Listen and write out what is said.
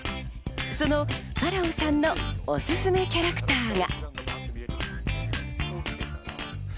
そのファラオさんのおすすめキャラクターが。